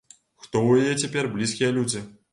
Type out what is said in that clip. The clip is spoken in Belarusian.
Хто ў яе цяпер блізкія людзі?